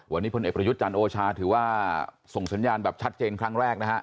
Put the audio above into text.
วันนี้พลเอกประยุทธ์จันทร์โอชาถือว่าส่งสัญญาณแบบชัดเจนครั้งแรกนะฮะ